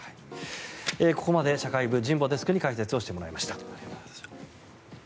ここまで社会部、神保デスクに解説していただきました。